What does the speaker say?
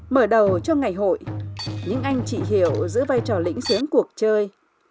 mở đầu trong ngày hội những anh trị hiệu giữ vai trò lĩnh xướng cuộc chơi